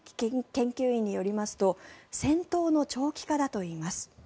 研究員によりますと戦闘の長期化だといいます。